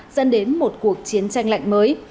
dẫn đến một cuộc chiến tranh lạnh mới